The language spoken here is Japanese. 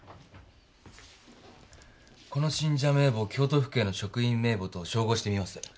この信者名簿を京都府警の職員名簿と照合してみます。